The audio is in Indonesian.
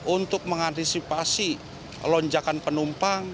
untuk mengantisipasi lonjakan penumpang